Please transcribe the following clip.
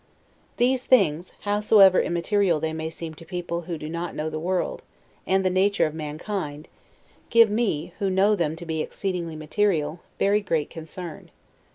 These things, howsoever immaterial they may seem to people who do not know the world, and the nature of mankind, give me, who know them to be exceedingly material, very great concern.